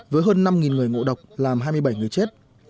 với hơn năm người ngộ độc làm hai mươi bảy người chết